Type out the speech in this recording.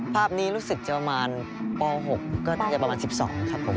ภาพนี้รู้สึกจะประมาณป๖ก็น่าจะประมาณ๑๒ครับผม